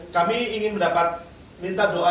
kami ingin mendapat minta doa